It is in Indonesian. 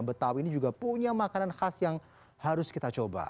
betawi ini juga punya makanan khas yang harus kita coba